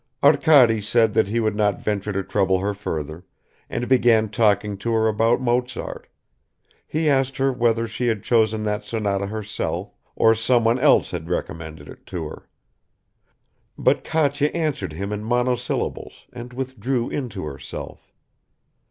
Arkady said that he would not venture to trouble her further, and began talking to her about Mozart; he asked her whether she had chosen that sonata herself, or someone else had recommended it to her. But Katya answered him in monosyllables and withdrew into herself.